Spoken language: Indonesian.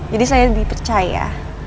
jadi saya dipercaya